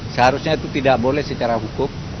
seharusnya itu tidak boleh secara hukum